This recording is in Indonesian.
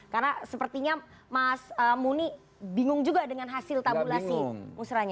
karena sepertinya mas muni bingung juga dengan hasil tabulasi musra nya